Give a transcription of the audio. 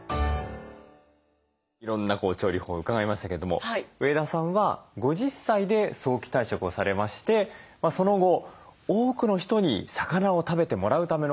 いろんな調理法を伺いましたけども上田さんは５０歳で早期退職をされましてその後多くの人に魚を食べてもらうための活動を始められました。